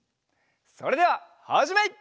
それでははじめい！